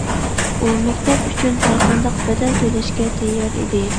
ئۇ مەكتەپ ئۈچۈن ھەر قانداق بەدەل تۆلەشكە تەييار ئىدى.